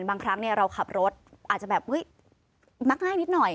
บางครั้งเราขับรถอาจจะแบบมักง่ายนิดหน่อย